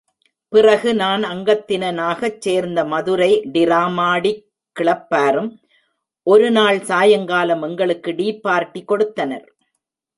பிறகு நான் அங்கத்தினனாகச் சேர்ந்த மதுரை டிராமாடிக் கிளப்பாரும் ஒரு நாள் சாயங்காலம் எங்களுக்கு டீ பார்ட்டி கொடுத்தனர்.